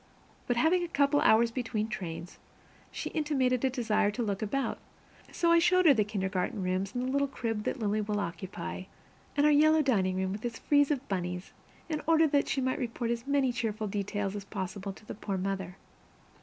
But having a couple of hours between trains, she intimated a desire to look about, so I showed her the kindergarten rooms and the little crib that Lily will occupy, and our yellow dining room, with its frieze of bunnies, in order that she might report as many cheerful details as possible to the poor mother.